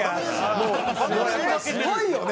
すごいよね。